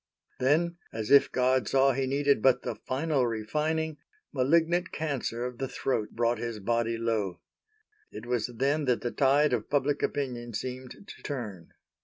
Then, as if God saw he needed but the final refining, malignant cancer of the throat brought his body low. It was then that the tide of Public Opinion seemed to turn.